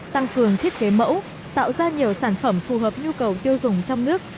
tăng cường thiết kế mẫu tạo ra nhiều sản phẩm phù hợp nhu cầu tiêu dùng trong nước